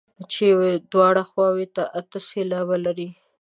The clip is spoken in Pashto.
چې دواړو خواوو ته اته سېلابه لري.